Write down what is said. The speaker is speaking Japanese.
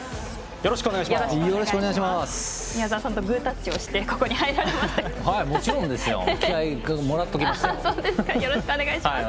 よろしくお願いします。